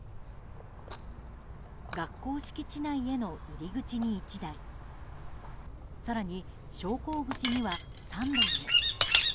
学校敷地内への入り口に１台更に、昇降口には３台も。